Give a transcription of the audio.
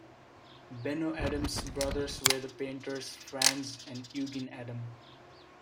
Benno Adam's brothers were the painters Franz and Eugen Adam.